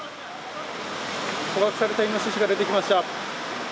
捕獲されたイノシシが出てきました。